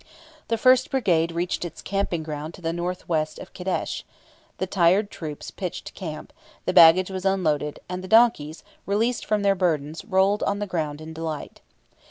The first brigade reached its camping ground to the north west of Kadesh; the tired troops pitched camp; the baggage was unloaded; and the donkeys, released from their burdens, rolled on the ground in delight.